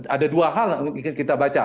ada dua hal yang ingin kita baca